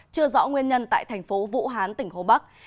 chưa rõ nguyên nhân tại thành phố vũ hán tỉnh hồ bắc